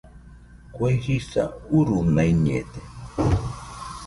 Kue jisa urunaiñede